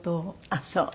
ああそう。